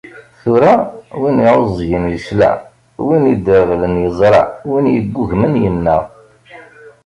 Tura, win iɛuẓẓgen yesla, win idreɣlen yeẓra, win yeggugmen yenna.